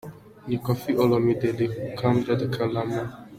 Ni Koffi Olomide, Le Quadra Koraman.